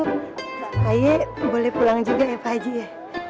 pak haji boleh pulang juga ya pak haji ya